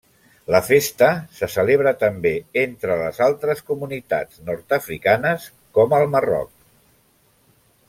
La festa se celebra també entre les altres comunitats nord-africanes, com al Marroc.